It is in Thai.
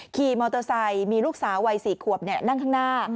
ขี่มอเตอร์ไซค์มีลูกสาววัย๔ขวบนั่งข้างหน้า